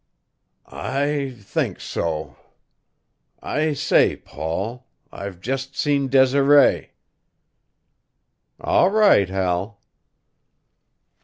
"I think so. I say, Paul I've just seen Desiree." "All right, Hal."